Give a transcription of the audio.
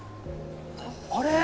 あれ？